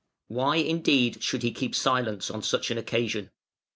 Why indeed should he keep silence on such an occasion?